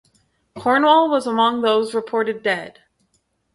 Cornwall was among those reported dead.